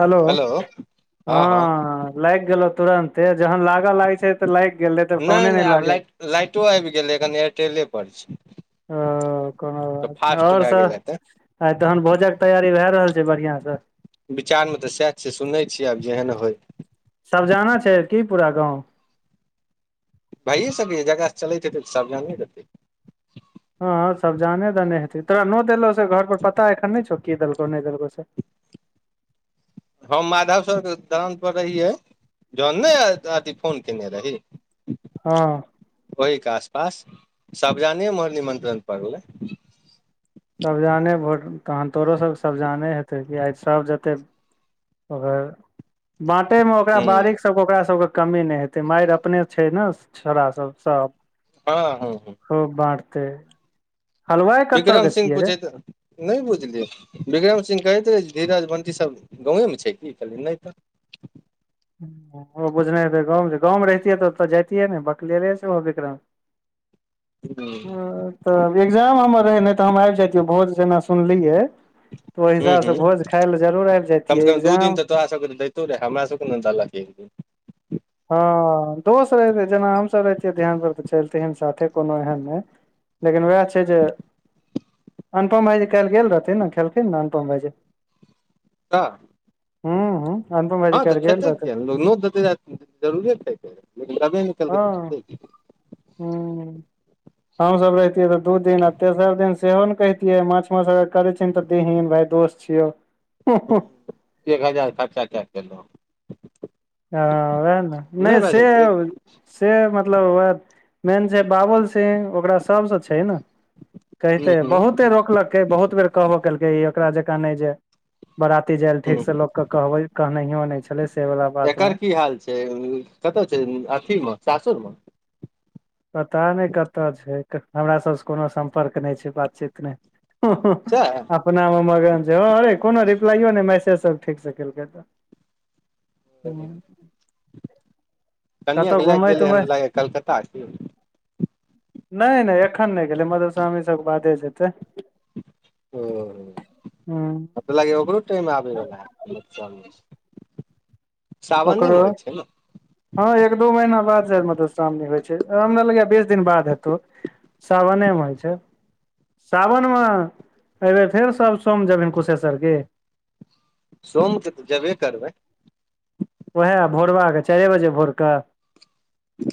Hello हँ लागि गेलौ तुरंते जहन लागलऽ लागै छै तऽ लागि गेलै तऽ नहि फोने नहि नइ आब लागल लाइट लाइटो आबि गेलै एखन एयरटेले पर छै ओ कोनो तऽ बात नहि फास्ट और भए गेल सब हेतै आय तहन भोज के तैयारी भए रहल छै बढ़िया सँ विचारमे तऽ सैह छैय सुनै छियै आब जेहन होय सबजाना छै की पूरा गाँव भाइए सकै य जेकरा से चलैत हेतै तऽ सबजाने देतै हँ सब जाने देने हेतै तोरा नौत एलौ से घर पर पता एखन नहि छौ की देलको नहि देलको से हम माधव सर दरानपर रहियै जहन ने अथी फोन कने रही हँ ओहिके आसपास सबजाने मर निमन्त्रण पड़ गेलै त जाने भोट तहन तोहरोसभ सब जाने हेतै कि आइ सभ जतेक ओकर बाँटेमे ओकरा हूँ बारीक सबके ओकरा सबके कमी नहि हेतै मारि अपने छै ने छोरा सब हँ हूँ हूँ हो बारतै बिक्रम सिंह पूछैत नहि बुझलियै बिक्रम सिंह कहैत रहै जे धीरज बंटी सभ गाँवेमे छै की कहलियै नहि तऽ ओ बुझनातै गाँव गाँवमे रहितियै तऽ ओतऽ जतियै ने बकलेरे छै विक्रम [inaudible] ह [unintelligible] तऽ एग्जाम हमर रहै नहि तऽ हम आबि जातियै भोज जेना सुनलियै तऽ ओहि हूँ हिसाबसँ हूँ भोज खाई ले जरूर आबि कम से जातियै कम दू दिन एग्जाम तऽ आस कर देैतौे हमरा सबके ने [unintelligible] हँ दोस्त रहतै जेना हमसभ रहहितियै ध्यान पर तऽ चलते साथे कोनो एहन नहि लेकिन उएह छै जे अनपम भाईजी काल गेल रहथिन ने खेलखिन ने अनपम भाईजी तऽ हूँ हूँ अनुपम भाईजी हँ तऽ काल्हि गेल खेतै रहथिन किया नहि लोक नोत देतै जरूरे खेतै लेकिन तबे ने ह हू हम सब रहतिये ते दू दिन आ तेसर दिन सेहो ने कहतिये माछ माछ अगर करे तऽ देन भाय दोस्त छियौ [unintelligible] एक हजार खर्चा के केगेलहु ह ओएह ने नहि से से मतलब उह मेन छै बाबुल सिंह ओकरा सबसँ छै ने कते हूँ हूँ बहुते रोकलकै बहुत बेर कहबो केलकै ई ओकरा जकाँ नहि जे बराती जायल हूँ ठीक से लोकके कहबै कहनयो नहि छले से वला बात एकर मे की हाल छै कतऽ छै अथी मे सासुर म पता नहि कतय छै हमरा सबसँ कोनो सम्पर्क नहि छै बातचीत नहि ओ सैह [unintelligible] अपना मे मगन छै अरे कोनो रिप्लाइयो नहि मैसेज सब ठीक से केलकै तऽ हँ [unintelligible] कनियाके लए क घुमै गेलै हन तुमै लागे कलकत्ता नहि नहि एखन नहि गेलै मधुश्रावणी सबके बादे जेतै ओ हूँ कत लागे ओकरो आबे वाला है बच्चा ओकरो हँ एक दू महीना बाद मधुश्रावणी होइ छै राम लग बीस दिन बाद हेतौ सावने मे होइ छै सावनमे अयबै फेर सब सोम जेब कुशेश्वरके सोम के तऽ जेबे करबै उएह भोरबाके चारए बजे भोरकऽ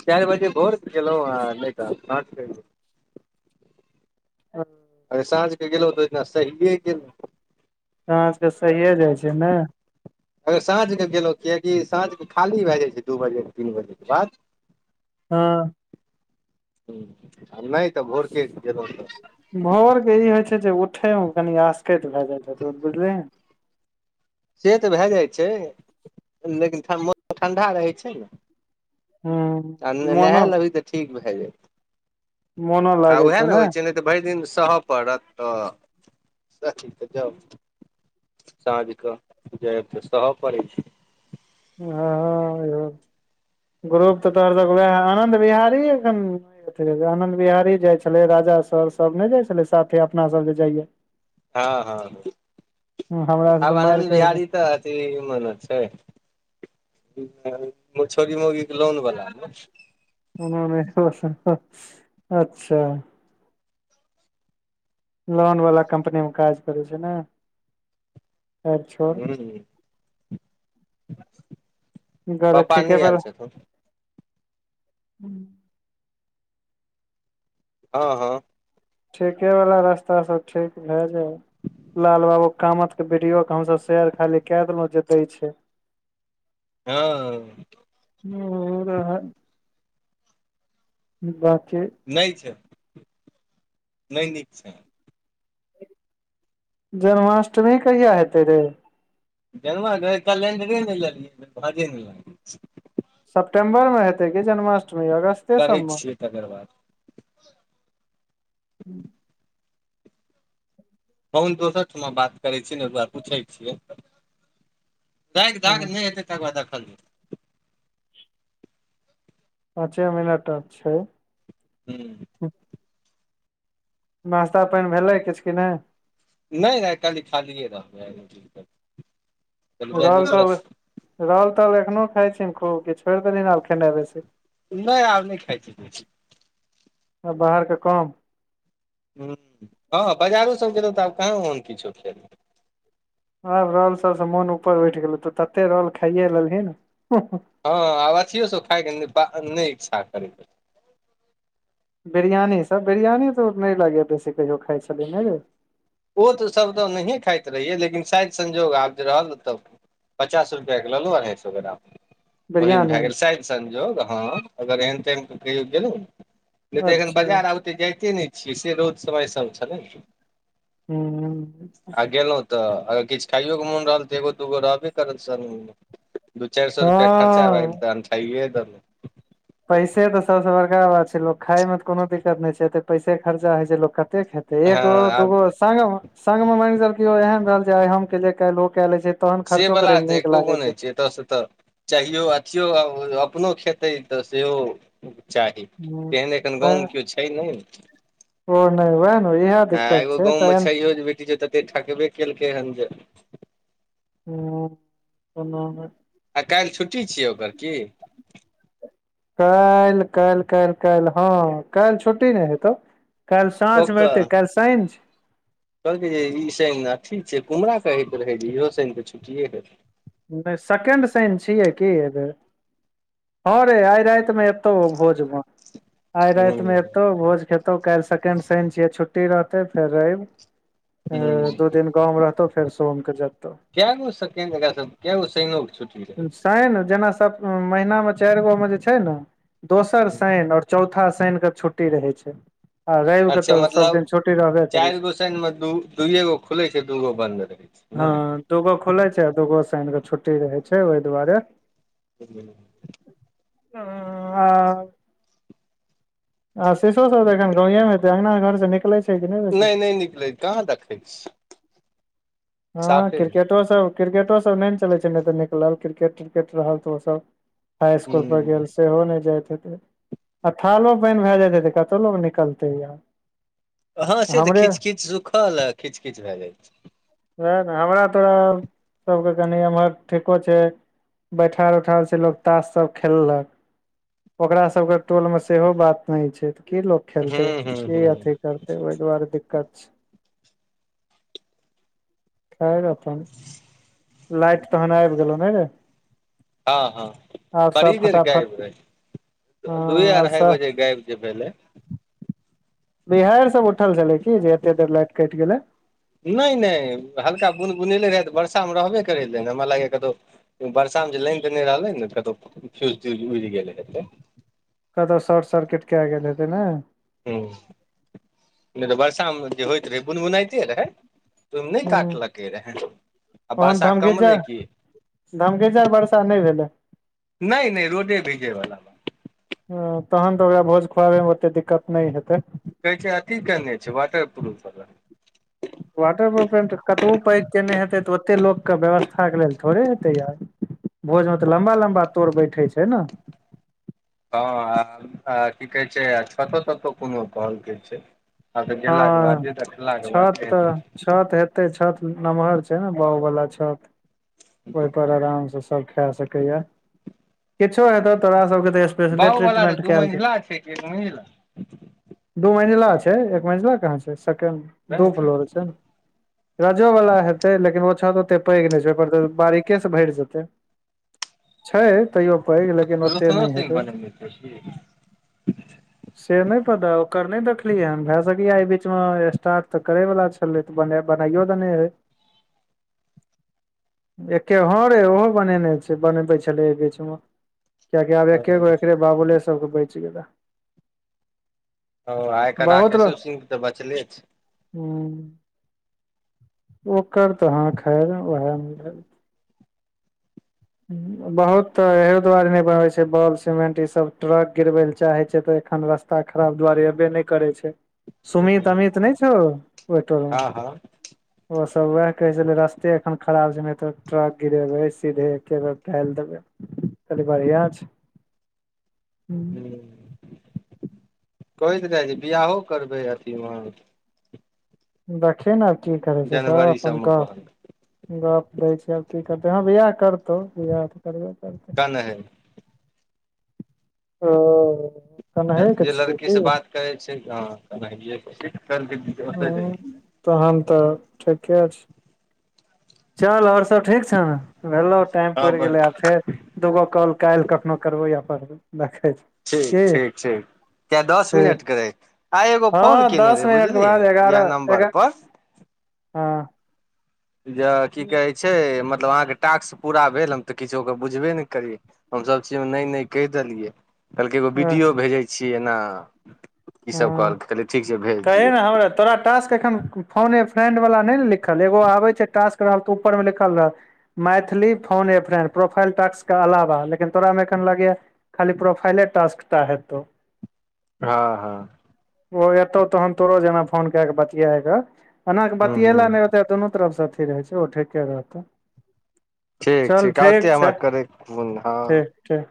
चार बजे भोर गेलहु नहिता [unintelligible] हँ [unintelligible] अरे साँझके ग गेलो ओइदिना सहए गेलल सांझ के सहिए जाइ छै ने अगर साँझके गेलहुँ कियकि साँझके खाली भए जाइ छै दू बजेके तीन बजेके बाद हँ नहि तऽ भोरके गेलहुँ तऽ भोरके ई होइ छै जे उठयमे कनि आसकैत भए जाइत त बुझलिय ने से तऽ भए जाइ छै लेकिन मौसम ठण्डा रहै छै ने आ हूँ नहा मोनो लेबही तऽ ठीक भए जाय मोनो आ लागै उएह छौ ने होइ छै ने तऽ भरि दिन सहय पड़त तऽ सही तऽ जाउ साँझ क जाब तऽ सहय पड़ै छै ह ग्रुप तऽ तोहर तक वह आनन्द बिहारीखन आनन्द बिहारी जाइ छलै राजा सर सब नहि जाइ छलै साथे अपना सब जे जाइयए हँ हँ हमरा से तऽ आब मारि आनन्द कर देत। बिहारी तऽ अथी मने छै छौरी मौगीके लोन बला ओ अच्छा [unintelligible] लोन वाला कम्पनी मे काज करै छै ने छोड़ [unintelligible] ह गर पापा ठीके नहि पर आयल छथुन हँ हँ ठीके बला रास्ता सब ठीक भए जाए लाल बाबू कामद के वीडियो के हमस शेयर खाली क देलहुं जे दै छै [inaudible] हँ ह [unintelligible] बाती [unintelligible] नहि छै नहि नीक छै जन्माष्टमी कहिया हेतै रे जँ रहै कलेंडरे नहि लेलियै भजे नहि लेलियै [unintelligible] सेप्टेम्बरमे हेतै की जन्माष्टमी अगस्ते करै सभमे [inaudible] छियै तकर बाद कहु दोसर ठमा बात करैत छियै ने ओहि दुआरे पूछैत छियै द दाग नहि हतै तकर बाद देखल पाँचे मिनट आबछै ह्म नास्ता पानि भेलै किछ कि नहि नहि नहि काली खालीए रहतै रहल ताल रहल ताल एखनो खाई छी खूब कि छोड़ि देलनि आब खेनाई बेसी नहि आब नहि खाई छी बाहरके कम ह हँ बजारो सभ गेलहुँ तऽ आब कहाँ ओहन किछो खेलौ आब राॅल सबसँ मोन ऊपर उठि गेलौ तू तते राॅल खाइये लेलही ने हँ आब अथियो सब खाइके नहि इच्छा करैके बिरयानीसभ बिरयानी तऽ नहि लगैए बेसी कहियो खाई छलै ने रे ओ तऽ सभ तऽ नहिए खाइत रहियै लेकिन शायद संजोग आब जे रहल तब पचास रुपआ के ललहु अढाई सए ग्राम ओहि मे भए बिरियानी गेल शायद संजोग हँ अगर एहन त कहियो गेल नहि तऽ एखन अच्छा बाजार आ ओते जाइते नहि छियै से बहुत समय सब छल ने हू आ गेलहुँ तऽ अगर किछु खाइय ओके मोन रहल तऽ एगो दूगो रहबे करत श दू चारि सए रुपैआ खर्चा भए गेल हँ तऽ अनठाइए देलै पैसे तऽ सबसँ बड़का बात छै लोक खाायमे तऽ कोनो दिक्कत नहि छै एते पैसे खर्चा होइ छै लोक कते खेतै त हँ एगो दूगो आब स सग मे मानि चलक एहन रहल जे आइ हम के काल् ओ कए ले छै तहन से खर्चो बला करे मे तऽ नीक एको गो लागै नहिइ छै एतयसँ तऽ चाहियो अथियो अपनो खेतै तऽ सेहो चाही तेहन एखन हूँ गाँवमे केओ छै नहि ओ नहि वएह आँ दिक्कत एगो छै गाँवमे तहन छैयो जे बेटी जे तते ठकबे केलकै हेन जे [unintelligible] आ काल्हि छुट्टी छियै ओकर की काल्हि काल्हि काल् काल्हि हँ काल्हि छुट्टी नहि हेतौ काल्हि साँझमे एतै ओकर काल्हि सााँंझ कहलकै जे ई शइन आ ठीक छै कुमहरा कहैत रहै इहो साइन के छुट्टिए हेतै नहि सेकें्ड सान छियै की हँ रे आइ राइत में एतौ भोज मे आइ हूं राति मे एतौ भोज खेतौ काल्हि सेकंड शन छियै छुट्टी रहते फेर रव हूं दू दिन गाँव मे रहतौ फेर सोम के जतौ कैगो सेकेंड श‌नि शनि जेना सब महिना मे चारि गो मे जे छै ने दोसर छै शनि ओर चौथ चौथा शनि कऽ छुट्टी रहै छै रैव के अच्छा तऽ सब मतलब दिन छुट्टी रहैछै चारि गो शनि मे द दुइए गो खुलै छै दूगो बंन्द रहै छै ने हँ दूगो खुले छै आ दूगो शनि कऽ छुट्टी रहै छै ओहि दुआरे [inaudible] हँ आ [unintelligible] आ शीषो सब तऽ एखन गावं मे हे अंगगना घर से निकले छै कि बेसी नहि नहि निकलै कहाँ देखै छी हँ साफे नहि क्रिकेटोसभ क्रिकेटोसभ नहि ने चलै छै नहि तऽ निकलल क्रिकेट त्रिकेट रहल तऽ ओसभ हाई स्कूल पर गेल हूं सेहो नहि जाइत हेतै आ थालो पानि भए जेतै तऽ कतऽ लोकोग निकलतै ये हँ से तऽ खिच खिच सुखल आ खिच खिच भए जाइ छै वएह न हमरा तोरा सबके कनी एम्हर ठीको छै बैठल उठल से लोग तास सब खेललक ओकरा सब के टोल मे सेहो बात नै छै की लोक खेलतै हूं हूं की हूं अथी करते ओहि दुआरे दिक्कत छै खैर अपन लाइट तहन आबि गेलो नै रे हँ हँ आब बड़ी सब देर फटाफट गाइब ह रहे दुए आब अढ़ाइ सब बजे गाइब जे भेलहि बिहड़ि सब उठल छले की जे एते देर लाइट कटि गेले नहि नहि हल्का बुन बुनले रहै तऽ वर्षा मे रहबे करै रहए ने हमरा लाग कतौ वर्षा मे जे लानि तऽ नहि रहले ने कतहु फ्यूज उड़ि गेलै हेते कतहु शॉर्ट सर्किट कए गेल हेतै ने हँ नहि तऽ बर्षा मे जे होइत रहै बुनबुनाइते रहै तऽ ओहिमे नहि हूँ काटलकै रहे आ तहन वर्षा धमगीजर कमले की धमगीजर बर्षा नहि भेलै नहि नहि रोडे भींगे बला तहन तऽ ओकरा भोज खुआबै मे ओते दिक्कत नहि हेतै कहै छै अथी केने छै वाटर प्रुफ वला वाटरपूफ कतबो पैघ केयने हेतै तऽ ओतेक लोकके व्यवस्थाके लेल थोड़े हेतै आर भोज मे तऽ लम्बा लम्बा तोर बैठे छै ने हँ की कहै छै आ छतो ततो कोनो कहलके छै हँ तऽ हँ गेलाक बादे तऽ खेलाक बादे छत रहतै छत हेते छत नम्हर छै ने बउवाला छत ओहि पर आराम से खा सके यऽ किछु हैते तोरा सबके स्पेशल बाउ वाला तऽ ट्रीटमेट दू केल जेतौ मंजिला छै कि एक दू मंजिला छै एक मजिला कहाँ छै सेकेण्ड दू मंजिला फ्लोर छै राजो वला हेतै लेकिन ओ छत ओते पैघ नहि छैतै बारीके से भरि जेतै छै तैयो पैघ लेकिन ओते रोशनो नहि सिंह हेतै बनेने छै की से नहि पता ओकर नहि देखलियै हन भए सकेऽ बीच मे स्टार्ट तऽ करे वाला छलै तऽ बनाइयो देने है एके हॉं रे ओहो बनेने छै बनबै छलै एहि बीचमे किएकि आब ओ एके गो एकरे बाबुले सभकेँ बचि गेले ओ आइ एकर राकेशो सिंह तऽ बचले छै हू ओकर तऽ हाँ खैर उएह मिल बहुत तऽ एहि दुआरे नहि बनबै छै बाउल सिमेंट ई सब ट्रक गिरबै लऽ चाहै छै तऽ एखन रस्त ता खराब दुआरे एबे नहि करै छै सुमित अमित नहि छओ ओहिटोल मे हँ हँ हूँ ओ सब वएह कहै छलै रस्ते एखन खराब छै ने तऽ ट्रक गिरेबे सीधे एके बेर ढ़ालि देबे कहलि बढिआ छी हूँ कहयत रहे जे बिआहो करबै अथीमे देखि यऽ ने की करै छै सब जनवरी अपन सबमे गप कहल गप दै छै आब की करतै हँ बिआह करतौ बिआह तऽ करबे करतौ कनहे ओ कनहे के छियै कि कहै छै हॅं कनहइये की छी हॅं तहन तऽ ठीके छी चल आओर सब ठीक छौ ने भेलो टाइम पुड़ि गेलै आ फेर दूगो कॉल काल्हि कखनो करबौ अपन रखै छी ठीक की ठीक ठीक किया दस ठीक मिनट के रहै आइ एगो फोन हँ केने दस रहे मिनट के बुझलि बाद इएह एगारह नम्बर एगारह पर हँ जे की कहै छै मतलब अहाँके टास्क पूरा भेल हम तऽ किछो ओकर बुझबे ने करी यऽ हमसभ चीजमे नहि नहि कहि देलियै कहलकै एगो हँ वीडियो भेजै छियै एना ई सब हॅं कहलकै कहलियै ठीक छै भेज कही दियौ ने हमरा तोरा टास्क एखन फोने ए फ्रेंड वाला नहि ने लिखल एगो आबे छै टास्क रहल त ऊपर मे लिखल रहल मैथिली फोन ए फ्रण्ड प्रोफाइल टास्क के अलावा लेकिन तोरा मे एखन लगैया खाली प्रोफाइले टास्क टा हेतौ हँ हँ ओ एतौ तहन तोरो जेना फोन कऽ के बतियाके एना के हूँ बतऐल हूँ ने दुनू तरफ से अथी रहै छै ओ ठीक रहतौ ठीक चल ठीक आते हमरा छै करैके कोन हँ ठीक ठीक